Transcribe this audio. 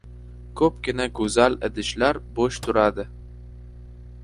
• Ko‘pgina go‘zal idishlar bo‘sh turadi.